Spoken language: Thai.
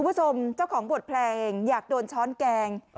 คุณผู้ชมเจ้าของบทเพลงอยากโดนช้อนแกง